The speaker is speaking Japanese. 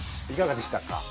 いかがでしたか？